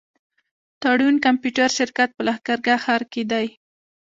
تړون کمپيوټر شرکت په لښکرګاه ښار کي دی.